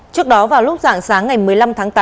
trước đó vào lúc dạng sáng ngày một mươi năm tháng tám